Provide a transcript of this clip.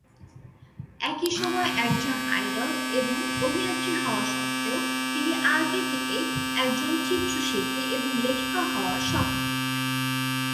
একই সময়ে একজন আইডল এবং অভিনেত্রী হওয়া সত্ত্বেও, তিনি আগে থেকেই একজন চিত্রশিল্পী এবং লেখিকা হওয়ার স্বপ্ন দেখতেন।